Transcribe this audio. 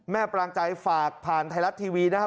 ปรางใจฝากผ่านไทยรัฐทีวีนะครับ